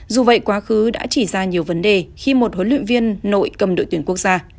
dù vậy quá khứ đã chỉ ra nhiều vấn đề khi một huấn luyện viên nội cầm đội tuyển quốc gia